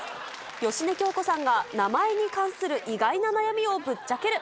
芳根京子さんが名前に関する意外な悩みをぶっちゃける。